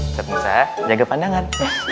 ustadz jaga pandangan